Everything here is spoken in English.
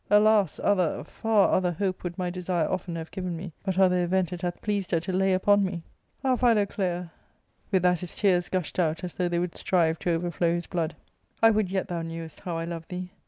Alas ! other, far other hope would my desire often have given me, but other event it hath pleased her to lay upon me. Ah, Philoclea" — with that his tears gushed out as though they would strive to overflow his blood —" I would yet thou knewest how I love thee.